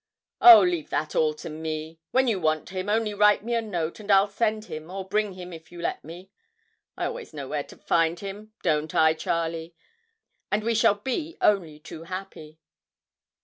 'Oh, leave all that to me. When you want him, only write me a note, and I'll send him or bring him if you let me. I always know where to find him don't I, Charlie? and we shall be only too happy.'